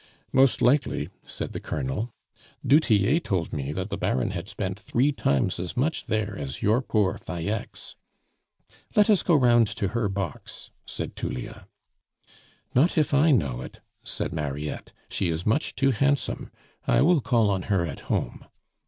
"Most likely," said the Colonel. "Du Tillet told me that the Baron had spent three times as much there as your poor Falleix." "Let us go round to her box," said Tullia. "Not if I know it," said Mariette; "she is much too handsome, I will call on her at home."